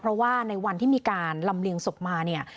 เพราะว่าในวันที่มีการลำเลียงศพมาเนี่ย